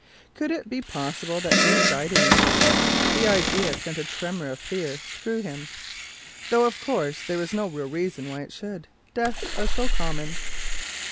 Could it be possible that she had died in Egypt? The idea sent a tremor of fear through him, though of course there was no real reason why it should. Deaths are so common.